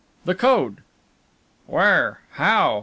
"The code!" "Where? How?"